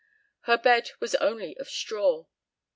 Her bed was only of straw.